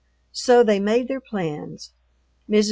So they made their plans. Mrs.